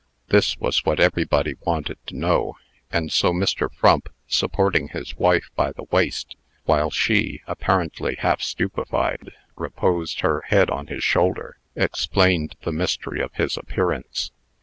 This was what everybody wanted to know; and so Mr. Frump, supporting his wife by the waist, while she, apparently half stupefied, reposed her head on his shoulder, explained the mystery of his appearance.